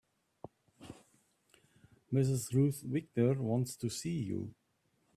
Mrs. Ruth Victor wants to see you.